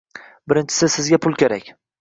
Birinchisi sizga pul kerak